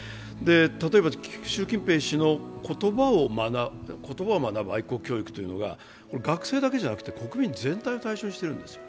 例えば、習近平氏の言葉を学ぶ愛国教育というのが学生だけじゃなくて、国民全体を対象にしているんですよ。